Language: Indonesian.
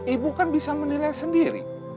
ibu kan bisa menilai sendiri